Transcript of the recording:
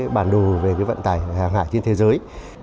bản đồ về vận tải hàng hải trên thế giới